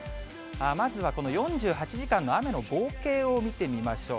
まずはこの４８時間の雨の合計を見てみましょう。